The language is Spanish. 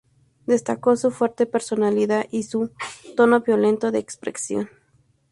Destacó su fuerte personalidad y su "tono violento de expresión".